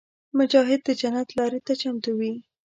مجاهد د جنت لارې ته چمتو وي.